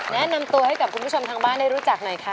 แนะนำตัวให้กับคุณผู้ชมทางบ้านได้รู้จักหน่อยค่ะ